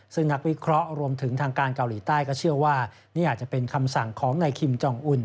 ซึ่งนักวิเคราะห์รวมถึงทางการเกาหลีใต้ก็เชื่อว่านี่อาจจะเป็นคำสั่งของนายคิมจองอุ่น